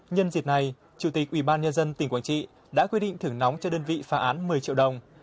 nhân dịp này chủ tịch ubnd tỉnh quảng trị đã quy định thưởng nóng cho đơn vị phá án một mươi triệu đồng